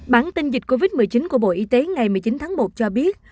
bản tin dịch covid một mươi chín của bộ y tế ngày một mươi chín tháng một cho biết